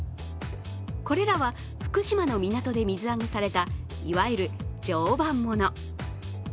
これらは福島の港で水揚げされたいわゆる常磐もの。